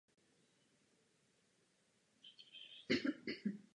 Podobné myšlenky jsou ale velmi nepravděpodobné.